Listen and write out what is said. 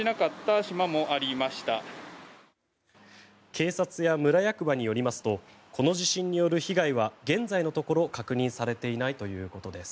警察や村役場によりますとこの地震による被害は現在のところ確認されていないということです。